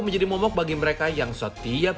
menjadi momok bagi mereka yang setiap